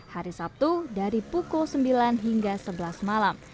hari sabtu dari pukul sembilan hingga sebelas malam